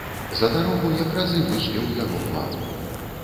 За дарогу якраз і выспеў яго план.